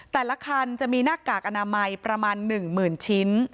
แต่ละคันจะมีหน้ากากอนามัยประมาณ๑๐๐๐ชิ้น